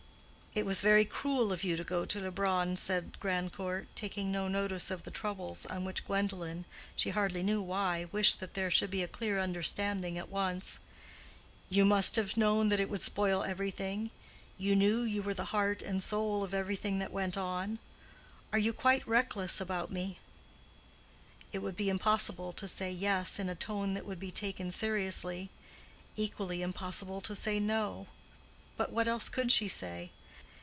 "It was very cruel of you to go to Leubronn," said Grandcourt, taking no notice of the troubles, on which Gwendolen—she hardly knew why—wished that there should be a clear understanding at once. "You must have known that it would spoil everything: you knew you were the heart and soul of everything that went on. Are you quite reckless about me?" It would be impossible to say "yes" in a tone that would be taken seriously; equally impossible to say "no;" but what else could she say?